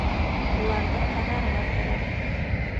Уларҙы ҡарарға кәрәк.